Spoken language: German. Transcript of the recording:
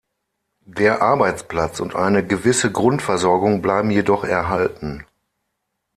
Der Arbeitsplatz und eine gewisse Grundversorgung bleiben jedoch erhalten.